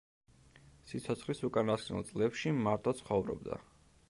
სიცოცხლის უკანასკნელ წლებში მარტო ცხოვრობდა.